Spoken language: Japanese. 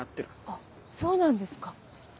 あっそうなんですか。